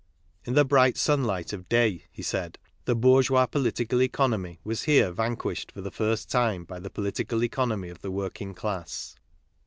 " In the bright sunlight of day," he said, " the bourgeois political economy was here vanquished for the first time by the political economy of the working class."